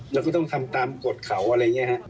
เราก็ต้องทำตามกฎเขาอะไรอย่างนี้ฮะ